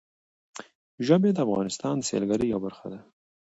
ژبې د افغانستان د سیلګرۍ یوه برخه ده.